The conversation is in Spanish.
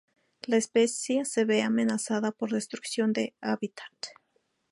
La especie se ve amenazada por destrucción de hábitat.